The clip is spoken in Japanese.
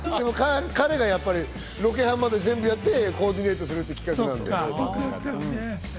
彼がロケハンまでやってコーディネートする企画なんで。